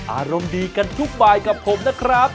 อารมณ์ดีกันทุกบายกับผมนะครับ